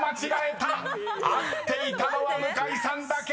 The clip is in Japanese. ［合っていたのは向井さんだけ］